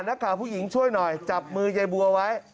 นักข่าวผู้หญิงช่วยหน่อยจับมือยายบัวไว้